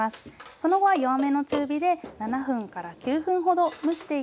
その後は弱めの中火で７分９分ほど蒸していきます。